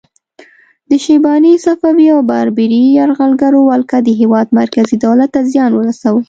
د شیباني، صفوي او بابري یرغلګرو ولکه د هیواد مرکزي دولت ته زیان ورساوه.